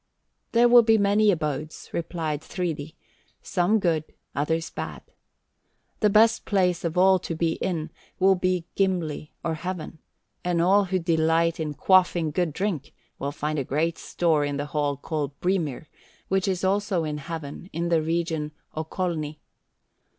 "There will be many abodes," replied Thridi, "some good, others bad. The best place of all to be in will be Gimli, in heaven, and all who delight in quaffing good drink will find a great store in the hall called Brimir, which is also in heaven in the region Okolni.